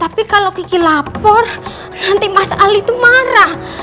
tapi kalau kiki lapor nanti mas ali itu marah